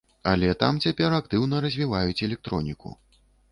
Але там цяпер актыўна развіваюць электроніку.